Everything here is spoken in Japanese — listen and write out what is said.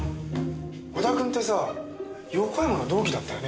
織田君ってさ横山の同期だったよね？